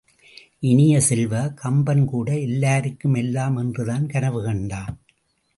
இனிய செல்வ, கம்பன் கூட எல்லாருக்கும் எல்லாம் என்றுதான் கனவு கண்டான்!